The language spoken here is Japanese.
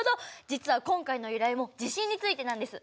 実は今回の依頼も地震についてなんです。